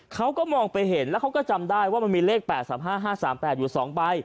เขาก็มองไปเห็นแล้วเขาก็จำได้ว่ามันมีเลขแปดสามห้าห้าสามแปดอยู่สองไป